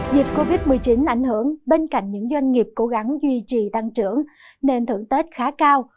dịch covid một mươi chín ảnh hưởng bên cạnh những doanh nghiệp cố gắng duy trì tăng trưởng nên thưởng tết khá cao